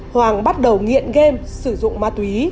hoàng bắt đầu nghiện game sử dụng ma túy